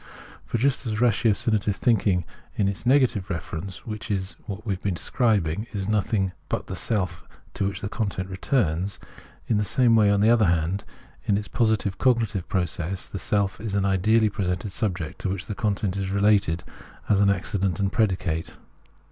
For just as ratiocinative thinking in its negative reference, which we have been describing, is nothing but the self into which the content returns ; in the same way, on the other hand, in its positive cognitive process the self Preface 69 is an ideally presented subject to wliicli the content is related as an accident and predicate.